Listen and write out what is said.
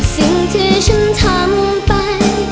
สิ่งที่ฉันทำไป